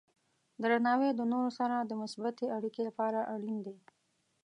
درناوی د نورو سره د مثبتې اړیکې لپاره اړین دی.